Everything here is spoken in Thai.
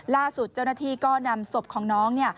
ล่าสุดเจ้าหน้าที่ก็นำศพของน้อง